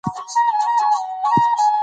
پښتو ژبه دوه ډوله نظمونه لري.